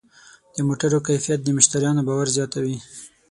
د موټرو کیفیت د مشتریانو باور زیاتوي.